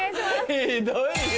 ひどいよ。